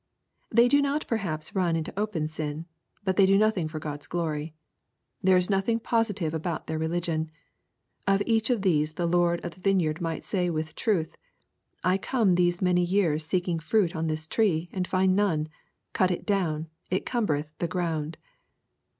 They do not perhaps run into open sin. But they do nothing for God's glory. There is nothing positive about their religion. Of each of these the Lord of the vine yard might say with truth, " I come these many years seeking fruit on this tree and find none. Cut it down. It cumbereth the ground."